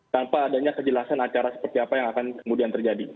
tanpa adanya kejelasan acara seperti apa yang akan kemudian terjadi